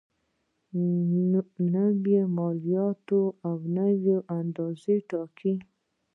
نوي مالیات او نوي اندازې یې وټاکلې.